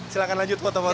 silahkan lanjut foto fotonya